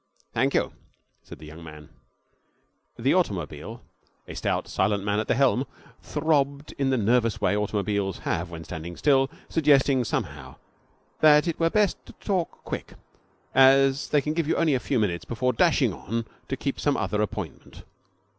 'Thank you,' said the young man. The automobile, a stout, silent man at the helm, throbbed in the nervous way automobiles have when standing still, suggesting somehow that it were best to talk quick, as they can give you only a few minutes before dashing on to keep some other appointment.